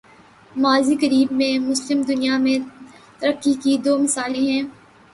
ماضی قریب میں، مسلم دنیا میں ترقی کی دو مثالیں ہیں۔